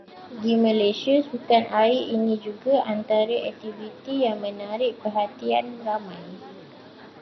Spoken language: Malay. Di Malaysia sukan air ini juga antara aktiviti yang menarik perhatian ramai.